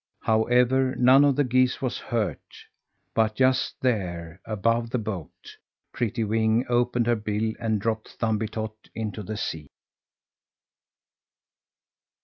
However, none of the geese was hurt; but just there, above the boat, Prettywing opened her bill and dropped Thumbietot into the sea.